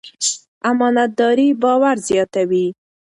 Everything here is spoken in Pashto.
امانتداري باور زیاتوي.